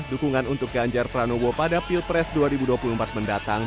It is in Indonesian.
dukungan untuk ganjar pranowo pada pilpres dua ribu dua puluh empat mendatang